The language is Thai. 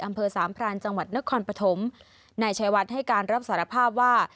อำเภอสามพรานจังหวัดนครปฐมนายชายวัดให้การรับสารภาพว่า